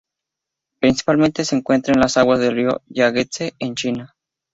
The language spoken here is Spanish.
Principalmente se encuentra en las aguas del río Yangtze, en China.